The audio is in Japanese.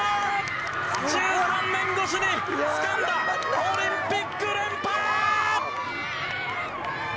１３年越しにつかんだ、オリンピック連覇！